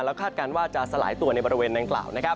คาดการณ์ว่าจะสลายตัวในบริเวณดังกล่าว